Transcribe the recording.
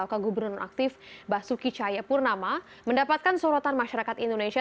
tauka gubernur aktif basuki cayepurnama mendapatkan sorotan masyarakat indonesia